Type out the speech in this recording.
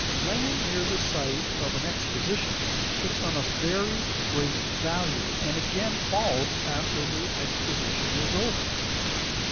Land near the site of an exposition takes on a very great value and again falls after the exposition is over.